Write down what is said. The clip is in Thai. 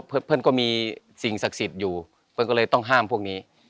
เพื่อนก็มีสิ่งศักดิ์สิทธิ์อยู่เพื่อนก็เลยต้องห้ามพวกนี้